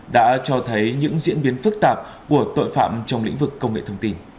đã cho thấy những diễn biến phức tạp của tội phạm trong lĩnh vực công nghệ thông tin